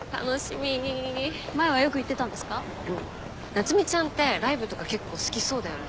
夏海ちゃんってライブとか結構好きそうだよね。